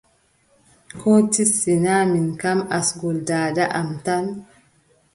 Koo tis, sinaa min kam asngol daada am tan.